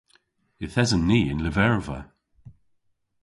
Yth esen ni y'n lyverva.